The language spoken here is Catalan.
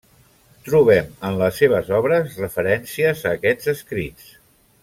Trobem en les seves obres referències a aquests escrits.